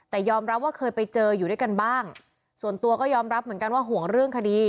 แต่ยอมรับว่าเคยไปเจออยู่ด้วยกันบ้างส่วนตัวก็ยอมรับเหมือนกันว่าห่วงเรื่องคดี